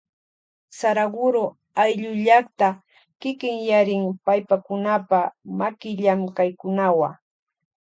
Saraguro ayllu llakta kikinyarin paypakunapa makillamkaykunawa.